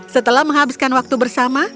setelah menghabiskan waktu bersama